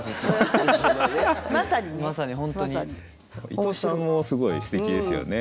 伊藤さんもすごいすてきですよね。